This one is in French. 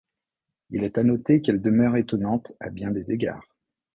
Il est à noter qu'elle demeure étonnante à bien des égards.